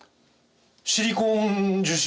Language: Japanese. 「シリコーン樹脂」。